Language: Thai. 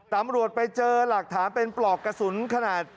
ตำรวจไปเจอหลักฐานเป็นปลอกกระสุนขนาด